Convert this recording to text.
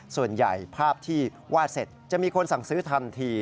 ส่วนใหญ่ภาพที่วาดเสร็จจะมีคนสั่งซื้อทันที